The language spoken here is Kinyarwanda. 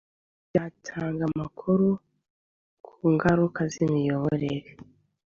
bwatanga amakuru ku ngaruka z imiyoborere